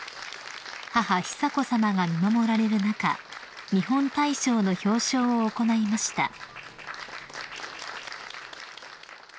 ［母久子さまが見守られる中日本大賞の表彰を行いました］